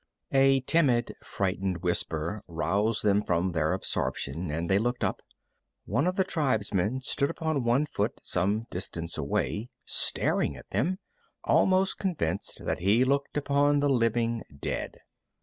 A timid, frightened whisper roused them from their absorption, and they looked up. One of the tribesmen stood upon one foot some distance away, staring at them, almost convinced that he looked upon the living dead.